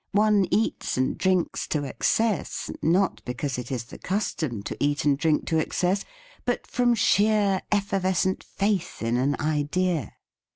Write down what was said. One eats and drinks to excess, not because it is the custom to eat and drink to excess, but from sheer effervescent faith in an idea.